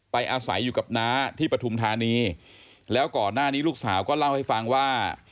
อาศัยอยู่กับน้าที่ปฐุมธานีแล้วก่อนหน้านี้ลูกสาวก็เล่าให้ฟังว่า